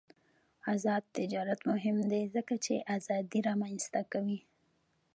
آزاد تجارت مهم دی ځکه چې ازادي رامنځته کوي.